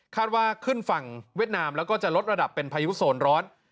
ว่าขึ้นฝั่งเวียดนามแล้วก็จะลดระดับเป็นพายุโซนร้อน